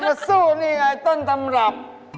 ก็สู้นี่ไงต้นตำรับ